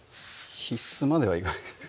必須まではいかないです